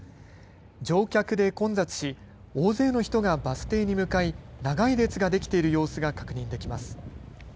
乗客で混雑し大勢の人がバス停に向かい長い列ができている様子が確認できます。